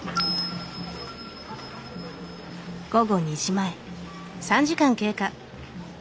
午後２時前。